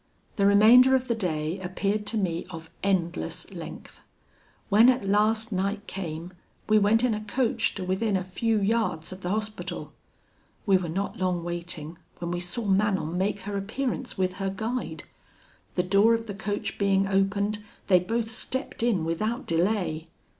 "The remainder of the day appeared to me of endless length. When at last night came, we went in a coach to within a few yards of the Hospital. We were not long waiting, when we saw Manon make her appearance with her guide. The door of the coach being opened, they both stepped in without delay.